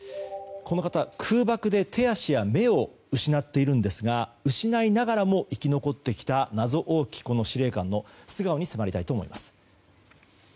この方、空爆で手足や目を失っているんですが失いながらも生き残ってきた謎多き司令官の素顔に迫りたいと思います。